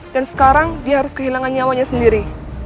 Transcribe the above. dan sekarang dia harus kehilangan nyawanya sendiri